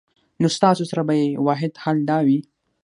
نو ستاسو سره به ئې واحد حل دا وي